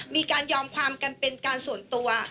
มีการยอมความกันเป็นการส่วนตัว